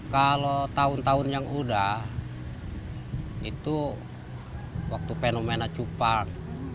kalau tahun tahun yang udah itu waktu fenomena cupang